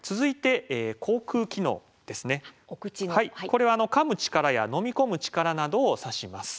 これはかむ力や飲み込む力などを指します。